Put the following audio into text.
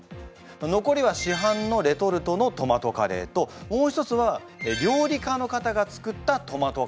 残りは市販のレトルトのトマトカレーともう一つは料理家の方が作ったトマトカレーになっております。